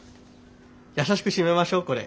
やさしく閉めましょうこれ。